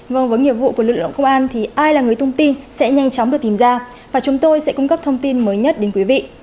vâng với nghiệp vụ của lực lượng công an thì ai là người thông tin sẽ nhanh chóng được tìm ra và chúng tôi sẽ cung cấp thông tin mới nhất đến quý vị